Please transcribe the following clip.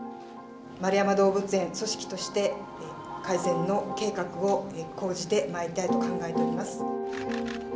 円山動物園組織として改善の計画を講じてまいりたいと考えております。